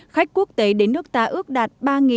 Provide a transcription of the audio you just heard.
khách quốc tế đến nước ta ước đạt ba bảy trăm ba mươi